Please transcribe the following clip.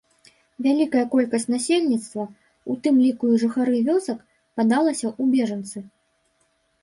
Вялікая колькасць насельніцтва, у тым ліку і жыхары вёсак, падалася ў бежанцы.